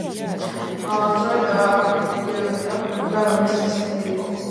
სწორად აქ მიხვდა, რომ ეს მისი საქმე იყო.